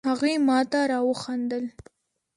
هغې ماته را وخندل